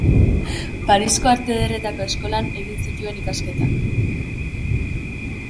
Parisko Arte Ederretako Eskolan egin zituen ikasketak.